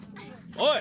おい！